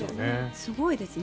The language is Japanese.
すごいですね。